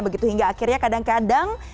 begitu hingga akhirnya kadang kadang